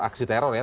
aksi teror ya